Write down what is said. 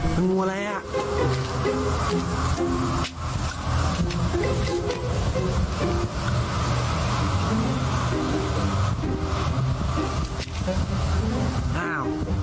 มันงูอะไรอ่ะ